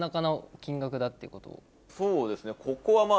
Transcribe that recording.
そうですね。